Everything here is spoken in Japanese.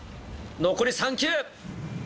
残り３球。